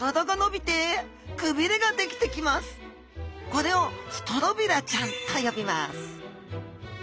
これをストロビラちゃんと呼びます